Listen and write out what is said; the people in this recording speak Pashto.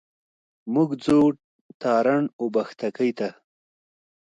موږ ځو تارڼ اوبښتکۍ ته.